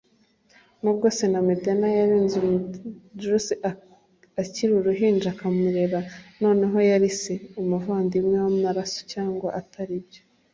Nubwo, Señor Medena yareze Dulce akiri uruhinja akamurera, noneho yari se - umuvandimwe w'amaraso cyangwa ataribyo.